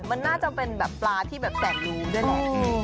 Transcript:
มันน่าจะเป็นปลาที่แบบแสดงรู้ด้วยนะ